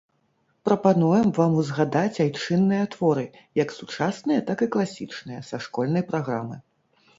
Прапануем вам узгадаць айчынныя творы, як сучасныя, так і класічныя, са школьнай праграмы.